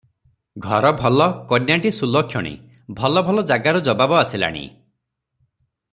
ଘର ଭଲ, କନ୍ୟାଟି ସୁଲକ୍ଷଣୀ, ଭଲ ଭଲ ଜାଗାରୁ ଜବାବ ଆସିଲାଣି ।